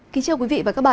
kính chào quý vị và các bạn